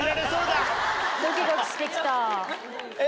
ドキドキしてきた。